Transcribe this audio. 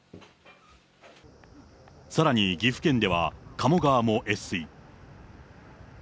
さらに岐阜県では、かも川も越水。